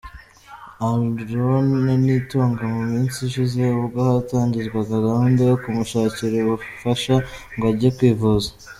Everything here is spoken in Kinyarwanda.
Aaron Nitunga mu minsi ishize ubwo hatangizwaga gahunda yo kumushakira ubufasha ngo ajye kwivuza.